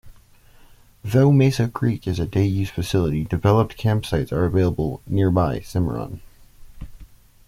Though Mesa Creek is a day-use facility, developed campsites are available at nearby Cimarron.